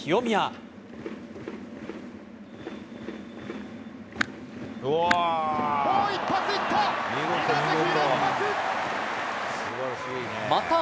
もう一発いった！